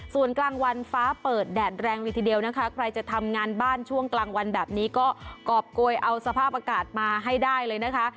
ส่วนกลางวันฟ้าเปิดแดดแรงเลยทีเดียวนะคะใครจะทำงานบ้านช่วงกลางวันแบบนี้ก็กรอบโกยเอาสภาพอากาศมาให้ได้เลยนะคะ